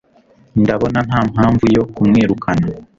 ndabona ntampamvu yo kumwirukana